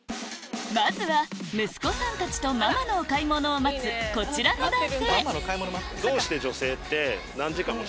まずは息子さんたちとママのお買い物を待つこちらの男性